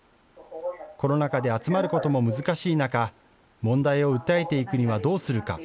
コロナ禍で集まることも難しい中、問題を訴えていくにはどうするか。